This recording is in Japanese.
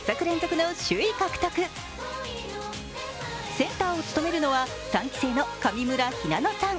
センターを務めるのは３期生の上村ひなのさん。